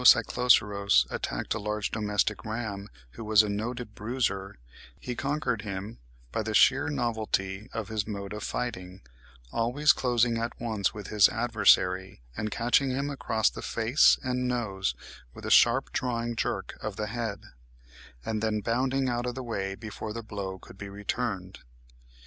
cycloceros attacked a large domestic ram, who was a noted bruiser, he conquered him by the sheer novelty of his mode of fighting, always closing at once with his adversary, and catching him across the face and nose with a sharp drawing jerk of the head, and then bounding out of the way before the blow could be returned."